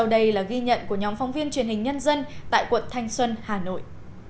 đây là ghi nhận của nhóm phóng viên truyền hình nhân dân tại quận thanh xuân hà nội